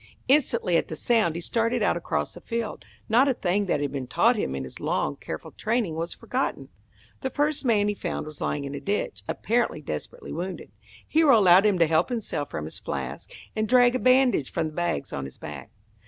Instantly at the sound he started out across the field. Not a thing that had been taught him in his long, careful training was forgotten. The first man he found was lying in a ditch, apparently desperately wounded. Hero allowed him to help himself from his flask, and drag a bandage from the bags on his back.